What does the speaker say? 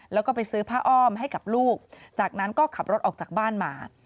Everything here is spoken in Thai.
แล้วก็ไปซื้อผ้าอ้อมให้กับลูกจากนั้นก็ขับรถออกจากบ้านมา